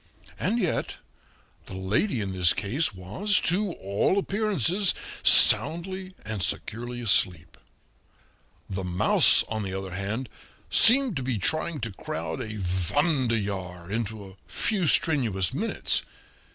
And yet the lady in this case was to all appearances soundly and securely asleep; the mouse, on the other hand, seemed to be trying to crowd a wanderjahr into a few strenuous minutes.